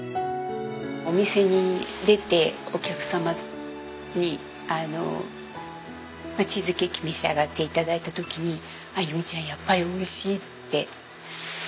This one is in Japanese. お店に出てお客様にチーズケーキ召し上がって頂いた時に「弓ちゃんやっぱり美味しい」って。